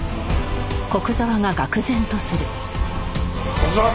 古久沢明！